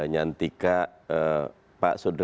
nyantika pak jokowi pak jokowi pak radjid dan others